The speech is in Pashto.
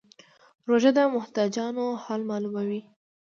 روژه د محتاجانو حال معلوموي.